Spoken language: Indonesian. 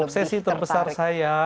obsesi terbesar saya